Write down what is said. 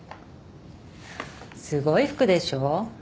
すごい服でしょう？